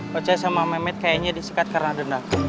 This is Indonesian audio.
kocai sama mehmet kayaknya disikat karena dendam